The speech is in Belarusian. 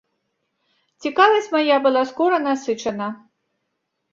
Цікавасць мая была скора насычана.